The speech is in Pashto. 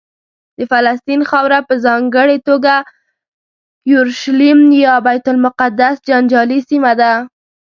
د فلسطین خاوره په ځانګړې توګه یورشلیم یا بیت المقدس جنجالي سیمه ده.